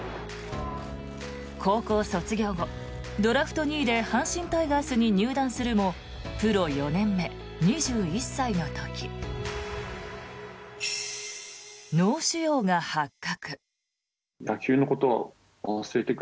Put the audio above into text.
高校卒業後、ドラフト２位で阪神タイガースに入団するもプロ４年目、２１歳の時脳腫瘍が発覚。